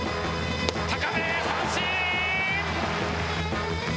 高め、三振！